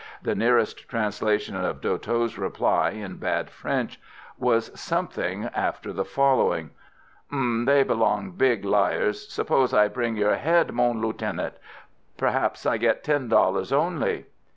The nearest translation of Doy Tho's reply in bad French was something after the following: "Hum! they belong big liars. Suppose I bring your head, mon lieutenant, perhaps I get ten dollars only."